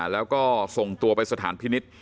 แล้วก็ส่งตัวไปสถานพินิษฐ์